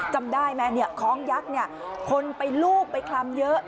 จำได้ไหมคล้องยักษ์คนไปลูบไปคลำเยอะ